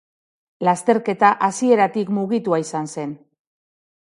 Lasterketa hasieratik mugitua izan zen.